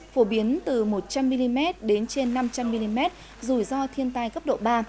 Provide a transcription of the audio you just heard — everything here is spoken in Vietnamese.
phổ biến từ một trăm linh mm đến trên năm trăm linh mm dù do thiên tai cấp độ ba